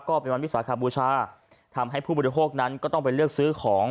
ก็เป็นวันวิสาขบูชาทำให้ผู้บริโภคนั้นก็ต้องไปเลือกซื้อของ